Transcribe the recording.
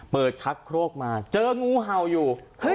เปิดชักโฟล็งค์มาเจองูเห่าอยู่